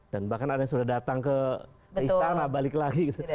dan bahkan ada yang sudah datang ke istana balik lagi